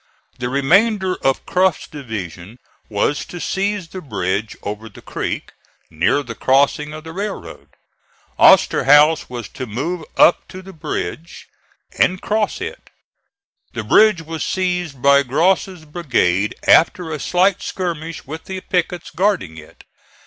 The remainder of Cruft's division was to seize the bridge over the creek, near the crossing of the railroad. Osterhaus was to move up to the bridge and cross it. The bridge was seized by Gross's brigade after a slight skirmish with the pickets guarding it.